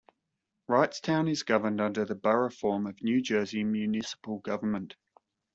Wrightstown is governed under the Borough form of New Jersey municipal government.